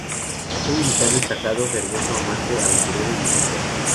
Fue militar destacado, fervoroso amante, aventurero y escritor.